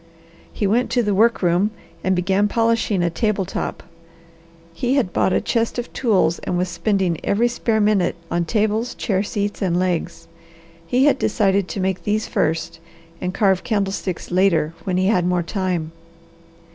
He went to the work room and began polishing a table top. He had bought a chest of tools and was spending every spare minute on tables, chair seats, and legs. He had decided to make these first and carve candlesticks later when he had more time.